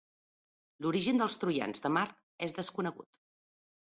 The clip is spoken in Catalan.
L'origen dels troians de Mart és desconegut.